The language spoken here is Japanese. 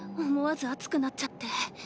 思わず熱くなっちゃって。